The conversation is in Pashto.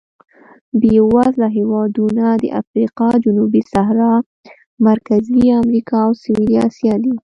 بېوزله هېوادونه د افریقا جنوبي صحرا، مرکزي امریکا او سوېلي اسیا دي.